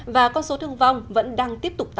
và con số thương vong vẫn đang tiếp tục tăng